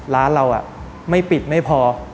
ร้านเราไม่ปิดไม่พอ